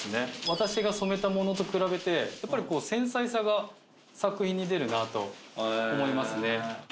私が染めたものと比べて繊細さが作品に出るなぁと思いますね。